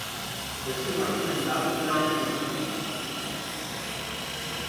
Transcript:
Resum argumental de la pel·lícula.